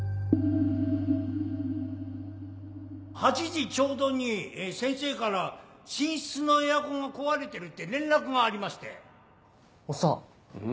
８時ちょうどに先生から寝室のエアコンが壊れてるって連絡がありましておっさん。